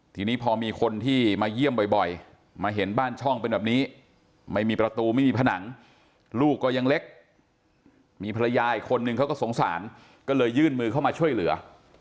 ทีนี้พอมีคนที่มาเยี่ยมบ่อยมาเห็นบ้านช่องเป็นแบบนี้ไม่มีประตูไม่มีผนังลูกก็ยังเล็กมีภรรยาอีกคนนึงเขาก็สงสารก็เลยยื่นมือเข้ามาช่วยเหลือ